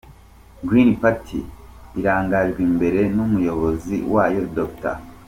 Green Party irangajwe imbere n’Umuyobozi wayo, Dr.